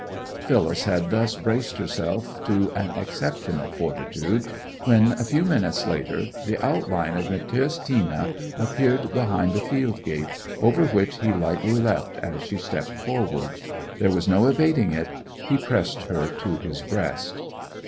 Phyllis had thus braced herself to an exceptional fortitude when, a few minutes later, the outline of Matthäus Tina appeared behind a field gate, over which he lightly leapt as she stepped forward. There was no evading it, he pressed her to his breast.